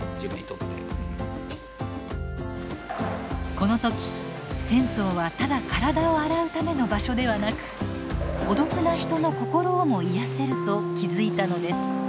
この時銭湯はただ体を洗うための場所ではなく孤独な人の心をも癒やせると気付いたのです。